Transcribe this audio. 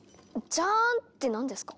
「ジャーン」って何ですか？